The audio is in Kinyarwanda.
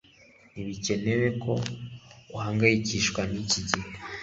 Ntibikenewe ko uhangayikishwa niki gihe